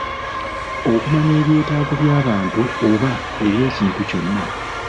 Okumanya ebyetaago by'abantu oba eby'ekintu kyonna.